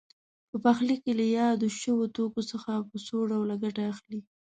په پخلي کې له یادو شویو توکو څخه په څو ډوله ګټه اخلي.